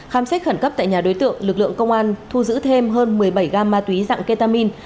khám xét khẩn cấp tại nhà đối tượng lực lượng công an thu giữ thêm hơn một mươi bảy gam ma túy dạng ketamin